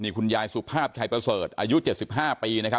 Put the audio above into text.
นี่ขุนยายสุภาพชายเป้าสรรค์อายุ๗๕ปีนะคะ